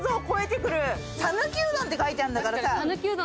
讃岐うどんって書いてあんだからさ。